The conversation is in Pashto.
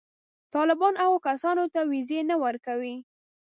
طالبان هغو کسانو ته وېزې نه ورکوي.